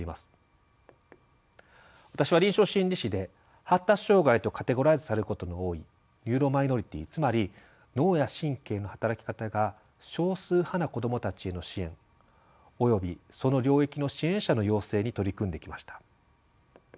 私は臨床心理士で発達障害とカテゴライズされることの多いニューロマイノリティつまり脳や神経の働き方が少数派な子どもたちへの支援およびその領域の支援者の養成に取り組んできました。